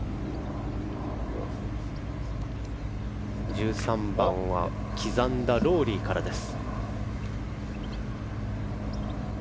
１３番は刻んだロウリーからです。